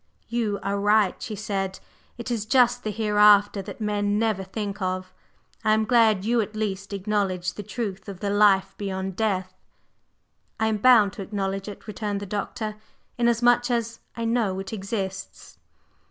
"You are right," she said. "It is just the Hereafter that men never think of. I am glad you, at least, acknowledge the truth of the life beyond death." "I am bound to acknowledge it," returned the Doctor; "inasmuch as I know it exists."